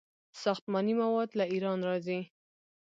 ساختماني مواد له ایران راځي.